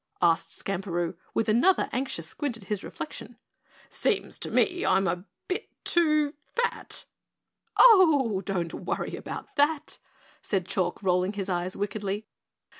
asked Skamperoo with another anxious squint at his reflection. "Seems to me I'm a bit too fat." "Oh, don't worry about that," said Chalk, rolling his eyes wickedly.